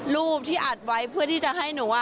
รูปที่อัดไว้เพื่อที่จะให้หนู